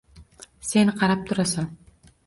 Sen qarab turasan.